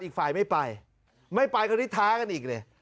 อีกฝ่ายไม่ไปไม่ไปคราวนี้ท้ากันอีกเลย